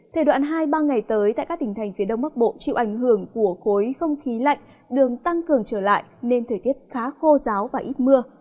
thời đoạn hai ba ngày tới tại các tỉnh thành phía đông bắc bộ chịu ảnh hưởng của khối không khí lạnh đường tăng cường trở lại nên thời tiết khá khô giáo và ít mưa